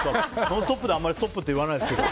「ノンストップ！」であんまりストップって言わないんですけど。